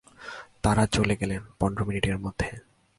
তাঁরা চলে গেলেন পনের মিনিটের মধ্যে।